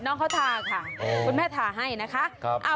น้องเขาทาค่ะคุณแม่ทาให้นะคะ